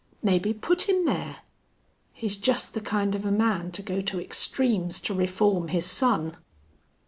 Maybe put him there! He's just the kind of a man to go to extremes to reform his son."